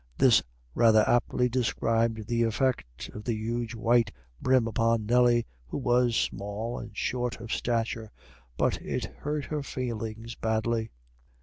This rather aptly described the effect of the huge white brim upon Nelly, who was small and short of stature; but it hurt her feelings badly.